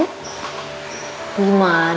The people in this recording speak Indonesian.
gimana terapinya hari ini